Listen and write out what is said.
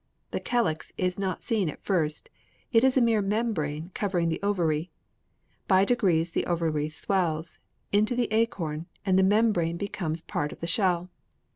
The calyx is not seen at first; it is a mere membrane covering the ovary. By degrees the ovary swells into the acorn and the membrane becomes part of the shell."